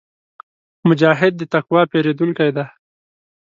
مجاهد د تقوا پېرودونکی وي.